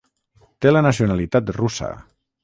Té la nacionalitat russa.